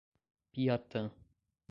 Piatã